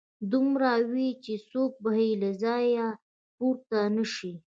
دومره وي چې څوک به يې له ځايه پورته نشي